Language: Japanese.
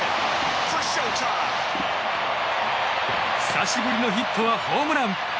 久しぶりのヒットはホームラン！